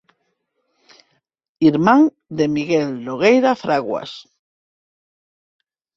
Irmán de Miguel Nogueira Fraguas.